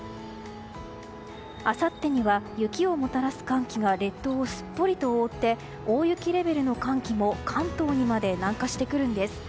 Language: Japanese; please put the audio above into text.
あさってには雪をもたらす寒気が列島をすっぽり覆って大雪レベルの寒気も関東にまで南下してくるんです。